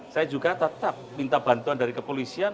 saya juga tetap minta bantuan dari kepolisian